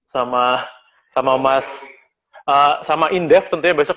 sama mas sama indef tentunya besok